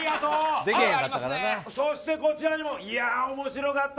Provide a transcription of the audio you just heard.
そしてこちらにも面白かった。